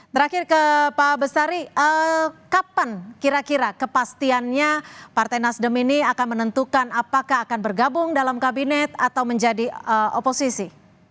terakhir ke pak bestari kapan kira kira kepastiannya partai nasdem ini akan menentukan apakah akan bergabung dalam kabinet atau menjadi oposisi